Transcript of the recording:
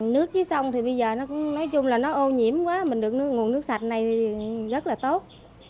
nước chứ xong thì bây giờ nó cũng nói chung là nó ô nhiễm quá mình được nguồn nước sạch này rất là tốt